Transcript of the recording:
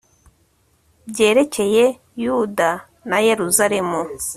byerekeye yuda na yeruzalemu